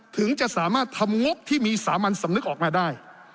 ถึงจะสามารถทำงบที่มีสามัญสำนึกออกมาได้